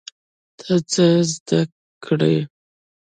ته څه زده کړې؟